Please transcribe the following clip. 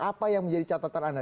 apa yang menjadi catatan anda